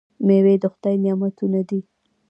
میوې د خدای نعمتونه دي.